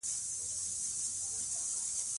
ازادي راډیو د اقلیم ستر اهميت تشریح کړی.